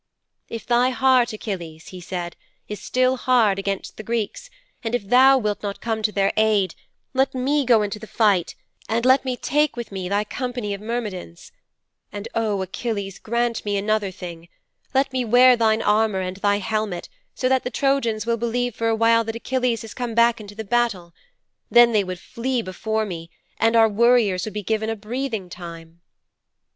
'"If thy heart, Achilles," he said, "is still hard against the Greeks, and if thou wilt not come to their aid, let me go into the fight and let me take with me thy company of Myrmidons. And O Achilles, grant me another thing. Let me wear thine armour and thy helmet so that the Trojans will believe for a while that Achilles has come back into the battle. Then would they flee before me and our warriors would be given a breathing time."'